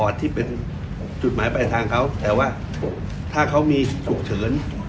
สุดหมายไปทางเขาแต่ว่าถ้าเขามีสุขเฉิน